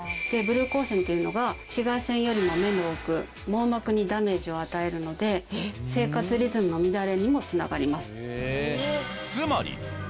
でブルー光線っていうのが紫外線よりも目の奥網膜にダメージを与えるので生活リズムの乱れにも繋がります。